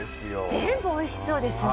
全部おいしそうですね。